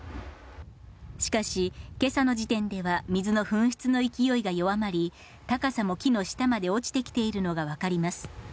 しかし、けさの時点では水の噴出の勢いが弱まり、高さも木の下まで落ちてきているのが分かります。